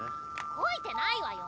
こいてないわよ！